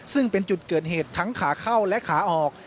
ซึ่งเป็นจุดเกิดเหตุทั้งขาเข้าและขาออก